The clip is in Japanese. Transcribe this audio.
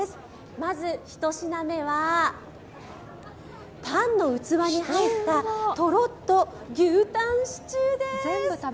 まず一品目は、パンの器に入ったとろっと牛タンシチューです。